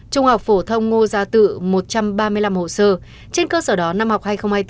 trung học phổ thông ngô gia tự một trăm ba mươi năm hồ sơ trên cơ sở đó năm học hai nghìn hai mươi hai nghìn hai mươi bốn